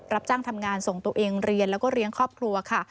รับจ้างทำงานส่งตัวเองเรียนแล้วก็เลี้ยงครอบครัวค่ะ